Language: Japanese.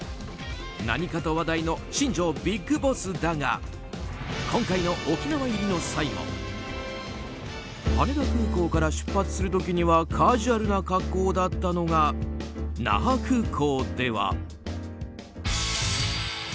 何かと話題の新庄ビッグボスだが今回の沖縄入りの際にも羽田空港から出発するときにはカジュアルな格好だったのが那覇空港では。